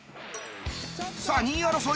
さあ２位争い。